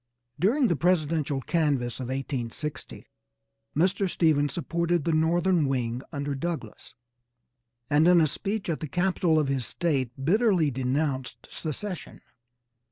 During the presidential canvass of 1860 Mr. Stephens supported the northern wing under Douglass, and in a speech at the capitol of his State bitterly denounced secession.